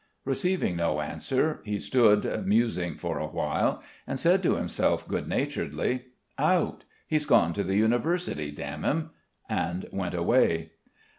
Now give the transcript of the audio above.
Receiving no answer, he stood musing for a while, and said to himself good naturedly: "Out. He's gone to the University. Damn him." And went away.